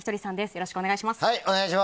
よろしくお願いします。